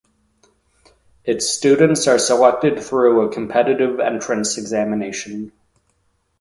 Its students are selected through a competitive entrance examination.